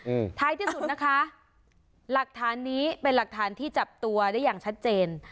อืมท้ายที่สุดนะคะหลักฐานนี้เป็นหลักฐานที่จับตัวได้อย่างชัดเจน